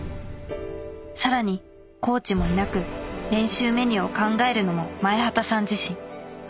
更にコーチもいなく練習メニューを考えるのも前畑さん自身。